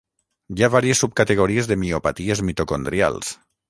Hi ha vàries subcategories de miopaties mitocondrials.